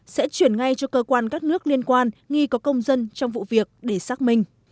sẽ chuyển ngay cho cơ quan các nước liên quan nghi có công dân trong vụ việc để xác minh